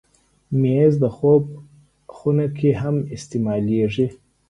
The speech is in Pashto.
مېز د خوب خونه کې هم استعمالېږي.